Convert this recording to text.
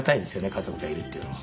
家族がいるっていうのは。